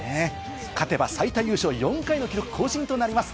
勝てば最多優勝４回の記録更新となります。